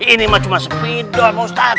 ini mah cuma sepidol pak ustadz